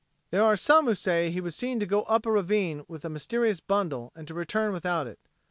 There are some who say he was seen to go up a ravine with a mysterious bundle and to return without it.